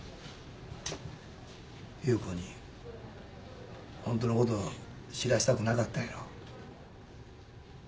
優子にホントのこと知らせたくなかったんやろ。